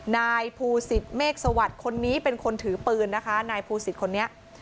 นายภูศิษฐเมฆสวัสดิ์คนนี้เป็นคนถือปืนนะคะนายภูสิตคนนี้